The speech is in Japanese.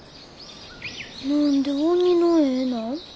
何で鬼の絵なん？